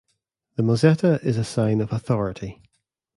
The mozzetta is a sign of authority.